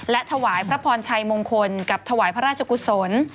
และถวายพระพรชัยมงคลกับถวายพระราชกุศล